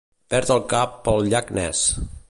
Perd el cap pel llac Ness.